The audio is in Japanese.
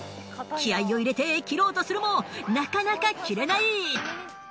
気合いを入れて切ろうとするもなかなか切れない。